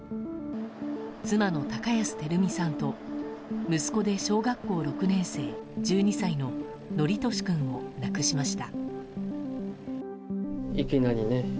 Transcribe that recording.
妻の高安照美さんと息子で小学６年生１２歳の規稔君を亡くしました。